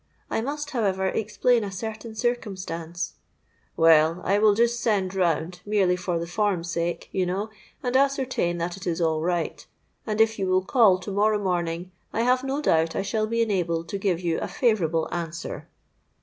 'I must, however, explain a certain circumstance——.'—'Well, I will just send round, merely for the form's sake, you know, and ascertain that it is all right; and if you will call to morrow morning, I have no doubt I shall be enabled to give you a favourable answer.'